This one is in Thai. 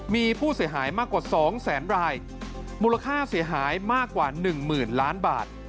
มีผู้เสียหายมากกว่า๒แสนรายมูลค่าเสียหายมากกว่า๑หมื่นล้านบาท